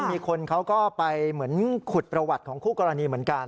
มีคนเขาก็ไปเหมือนขุดประวัติของคู่กรณีเหมือนกัน